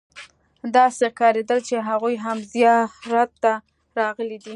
داسې ښکارېدل چې هغوی هم زیارت ته راغلي دي.